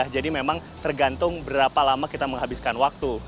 jadi memang tergantung berapa lama kita menghabiskan waktu